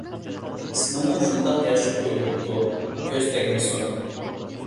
ئىسمىمۇ شۇنداق ياخشى قويۇلۇپتۇ، كۆز تەگمىسۇن!